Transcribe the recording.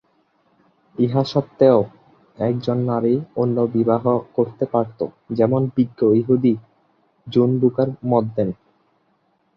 ইহা সত্ত্বেও একজন নারী অন্য বিবাহ করতে পারত যেমন বিজ্ঞ ইহুদি জুন বুকার মত দেন।